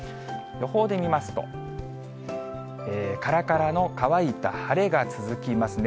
予報で見ますと、からからの乾いた晴れが続きますね。